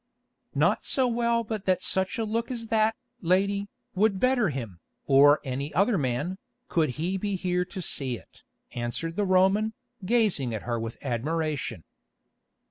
"Not so well but that such a look as that, lady, would better him, or any other man, could he be here to see it," answered the Roman, gazing at her with admiration.